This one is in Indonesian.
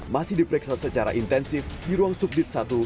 masih diperiksa secara intensif di ruang subdit satu